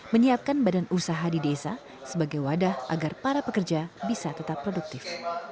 menyiapkan badan usaha di desa sebagai wadah agar para pekerja bisa tetap produktif